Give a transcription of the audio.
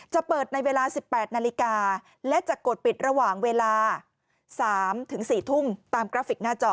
จะเปิดในเวลา๑๘นาฬิกาและจะกดปิดระหว่างเวลา๓๔ทุ่มตามกราฟิกหน้าจอ